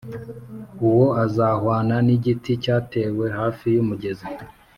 Uwo azahwana n’igiti cyatewe hafi y’umugezi.